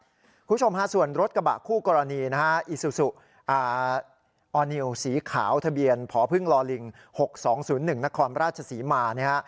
คุณผู้ชมฮะส่วนรถกระบะคู่กรณีนะฮะอีซูซูออร์นิวสีขาวทะเบียนผพึ่งลอลิง๖๒๐๑นครราชศรีมานะฮะ